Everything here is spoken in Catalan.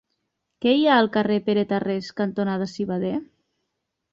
Què hi ha al carrer Pere Tarrés cantonada Civader?